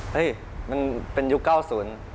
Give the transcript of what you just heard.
เฮ้ยมันเป็นยุคเก้าศูนย์